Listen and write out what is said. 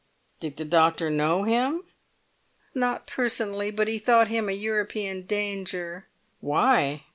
"Did the doctor know him?" "Not personally; but he thought him a European danger." "Why?"